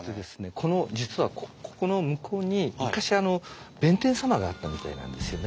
この実はここの向こうに昔弁天様があったみたいなんですよね。